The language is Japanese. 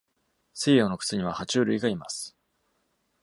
西洋の靴には爬虫類がいます。